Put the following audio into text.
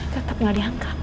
tetep gak diangkat